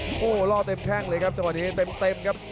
โอ้โหล่อเต็มแข้งเลยครับจังหวะนี้เต็มครับ